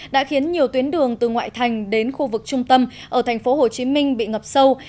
đã khiến nhiều tuyến đường từ ngoại thành đến khu vực trung tâm ở tp hcm bị ngập sâu